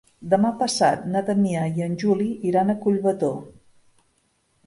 Demà passat na Damià i en Juli iran a Collbató.